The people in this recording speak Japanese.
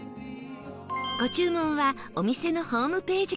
ご注文はお店のホームページから